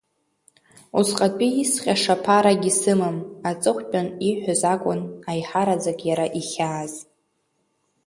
Усҟатәи исҟьаша аԥарагьы сымам, аҵыхәтәан ииҳәаз акәын аиҳараӡак иара ихьааз.